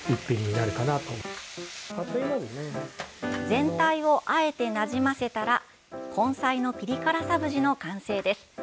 全体をあえてなじませたら根菜のピリ辛サブジの完成です。